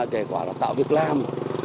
kể quả là tạo việc làm